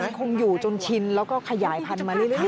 มันคงอยู่จนชินแล้วก็ขยายพันธุมาเรื่อย